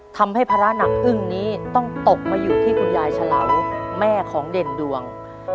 ทำให้ภาระหนักอึ้งนี้ต้องตกมาอยู่ที่คุณยายฉลาแม่ของเด่นดวง